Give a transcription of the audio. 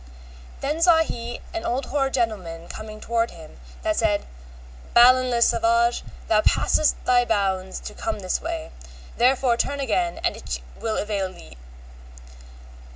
Then saw he an old hoar gentleman coming toward him, that said, Balin le Savage, thou passest thy bounds to come this way, therefore turn again and it will avail thee.